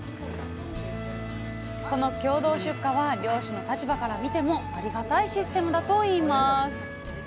この共同出荷は漁師の立場から見てもありがたいシステムだといいます